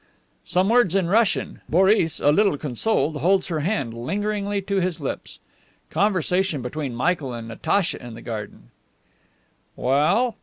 (Some words in Russian. Boris, a little consoled, holds her hand lingeringly to his lips.) Conversation between Michael and Natacha in the garden: "Well?